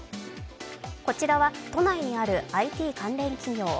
こちらは都内にあるＩＴ関連企業。